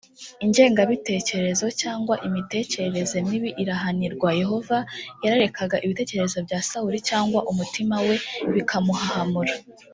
ingengabitekerezo cyangwa imitekerereze mibi irahanirwa. yehova yararekaga ibitekerezo bya sawuli cyangwa umutima we bikamuhahamura